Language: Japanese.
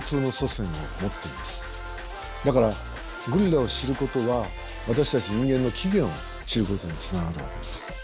だからゴリラを知ることは私たち人間の起源を知ることにつながるわけです。